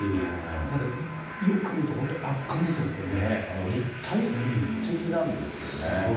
なんか、よく見ると本当、圧巻で立体的なんですよね。